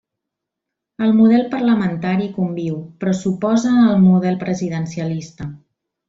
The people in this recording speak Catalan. El model parlamentari conviu, però s'oposa al model presidencialista.